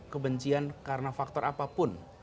kebencian karena faktor apapun